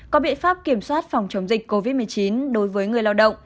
có biện pháp kiểm soát phòng chống dịch covid một mươi chín đối với người lao động